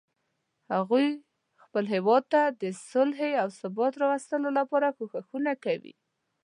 هغوی خپل هیواد ته د صلحې او ثبات راوستلو لپاره کوښښونه کوي